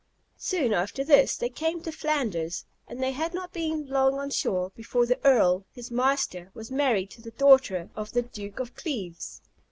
Soon after this they came to Flanders; and they had not been long on shore, before the Earl, his master, was married to the daughter of the Duke of Cleves.